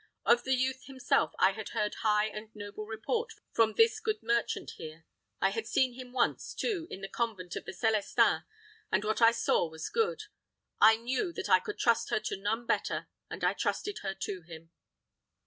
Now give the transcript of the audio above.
Of the youth himself I had heard high and noble report from this good merchant here. I had seen him once, too, in the convent of the Celestins, and what I saw was good. I knew that I could trust her to none better, and I trusted her to him."